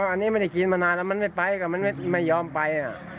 อันนี้ไม่ได้กินมานานแล้วมันไม่ไปก็มันไม่ยอมไป